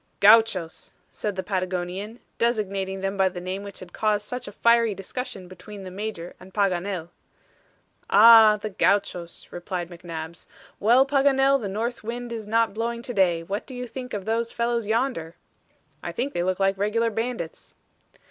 "Gauchos," said the Patagonian, designating them by the name which had caused such a fiery discussion between the Major and Paganel. "Ah! the Gauchos," replied McNabbs. "Well, Paganel, the north wind is not blowing to day. What do you think of those fellows yonder?" "I think they look like regular bandits."